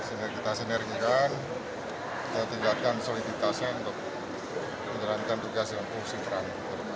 sehingga kita sinergikan kita tingkatkan soliditasnya untuk menerangkan tugas yang berfungsi terang